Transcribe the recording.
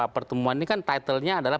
pertemuan ini kan titelnya adalah